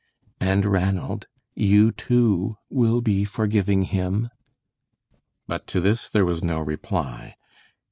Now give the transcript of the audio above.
"And, Ranald, you, too, will be forgiving him?" But to this there was no reply.